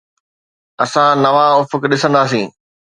اسان نوان افق ڏسنداسين.